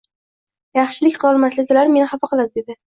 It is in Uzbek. Yaxshilik qilolmaslik meni xafa qiladi”, dedi